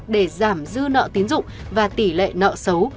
để giảm dư nợ tiến dụng và tỷ lệ nợ xấu